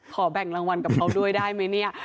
แบ่งรางวัลกับเขาด้วยได้ไหมเนี่ย